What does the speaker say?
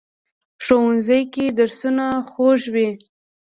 ښوونځی کې درسونه خوږ وي